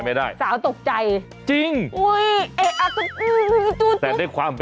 ไม่ได้